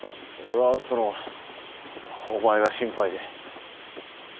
俺はそのお前が心配で。